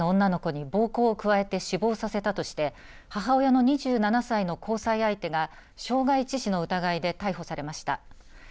奈良県橿原市の集合住宅で４歳の女の子に暴行を加えて死亡させたとして母親の２７歳の交際相手が傷害致死の疑いで逮捕されました。